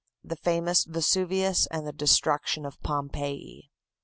The Famous Vesuvius and the Destruction of Pompeii.